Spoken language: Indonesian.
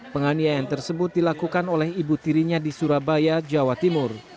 penganiayaan tersebut dilakukan oleh ibu tirinya di surabaya jawa timur